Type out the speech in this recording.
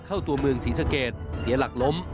เข้าตัวเมืองศรีสะเกดเสียหลักล้ม